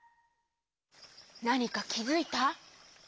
なにかきづいた？